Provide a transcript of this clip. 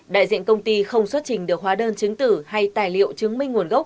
đại diện công ty không xuất trình được hóa đơn chứng tử hay tài liệu chứng minh nguồn gốc